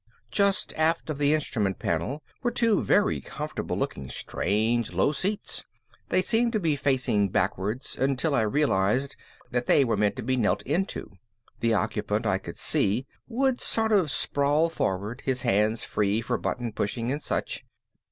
Just aft of the instrument panel were two very comfortable looking strange low seats. They seemed to be facing backwards until I realized they were meant to be knelt into. The occupant, I could see, would sort of sprawl forward, his hands free for button pushing and such.